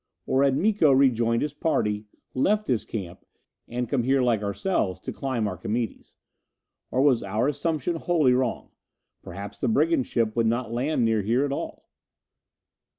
Or had Miko rejoined his party, left his camp and come here like ourselves to climb Archimedes? Or was our assumption wholly wrong perhaps the brigand ship would not land near here at all?